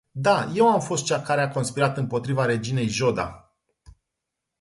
Da, eu am fost cea care a conspirat impotriva reginei Jodha!